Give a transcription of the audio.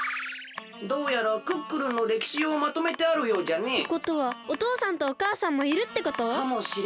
どうやらクックルンのれきしをまとめてあるようじゃね。ってことはおとうさんとおかあさんもいるってこと？かもしれんね。